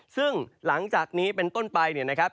ซึ่งหลังจากนี้เป็นต้นไปเนี่ยนะครับ